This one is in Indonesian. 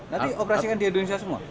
nanti operasikan di indonesia semua